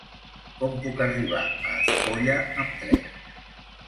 Com puc arribar a Espolla amb tren?